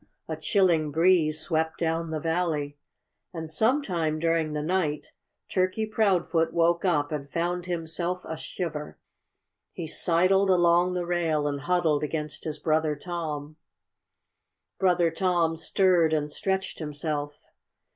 A chilling breeze swept down the valley. And sometime during the night Turkey Proudfoot woke up and found himself a shiver. He sidled along the rail and huddled against his brother Tom. Brother Tom stirred and stretched himself.